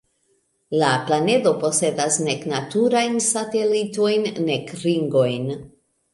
La planedo posedas nek naturajn satelitojn, nek ringojn.